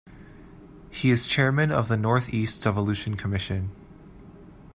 He is Chairman of the North East Devolution Commission.